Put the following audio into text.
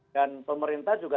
dan pemerintah juga